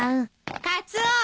カツオ！